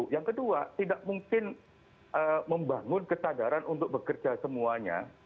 yang kedua tidak mungkin membangun kesadaran untuk bekerja semuanya